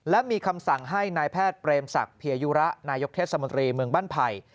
และมีคำสั่งให้นายแพทย์เปรมศักดิยยุระนายกเทศมนตรีเมืองบ้านไผ่